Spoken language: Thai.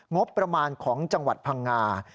งบประมาณของจังหวัดพังงา